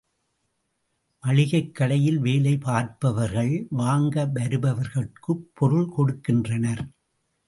மளிகைக் கடையில் வேலை பார்ப்பவர்கள், வாங்க வருபவர்கட்குப் பொருள் கொடுக்கின்றனர்.